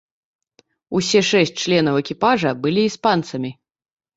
Усе шэсць членаў экіпажа былі іспанцамі.